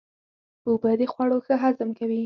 اوبه د خوړو ښه هضم کوي.